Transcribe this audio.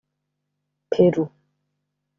Peru